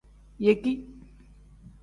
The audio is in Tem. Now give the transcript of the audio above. Yeki.